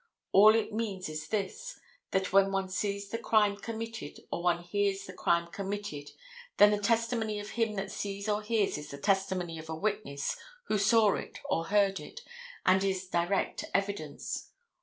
All it means is this: That when one sees the crime committed or one hears the crime committed then the testimony of him that sees or hears is the testimony of a witness who saw it or heard it and is direct evidence.